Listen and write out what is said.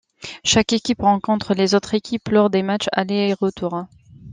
Chaque équipe rencontre les autres équipes lors de matchs aller et retour.